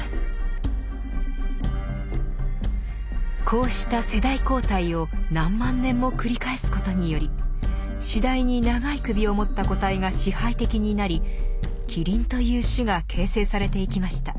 こうした世代交代を何万年も繰り返すことにより次第に長い首をもった個体が支配的になりキリンという種が形成されていきました。